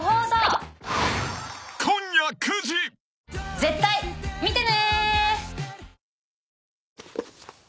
絶対見てね！